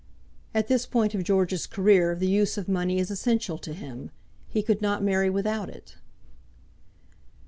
At this point of George's career the use of money is essential to him. He could not marry without it."